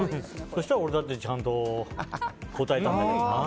そしたら、俺だってちゃんと答えたんだけどな。